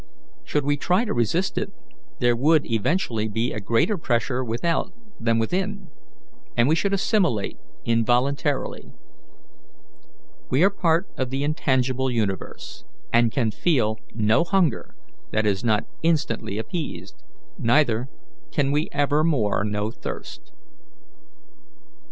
Should we try to resist it, there would eventually be a greater pressure without than within, and we should assimilate involuntarily. We are part of the intangible universe, and can feel no hunger that is not instantly appeased, neither can we ever more know thirst."